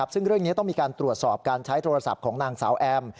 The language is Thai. ซึ่งเรื่องนี้ต้องมีการตรวจสอบการใช้โทรศัพท์ของนางสาวแอม